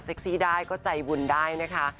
เส็กซี้ได้ก็ใจบุญได้นะคะ